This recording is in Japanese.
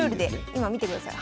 今見てください。